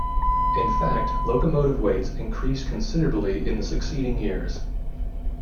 In fact locomotive weights increased considerably in the succeeding years.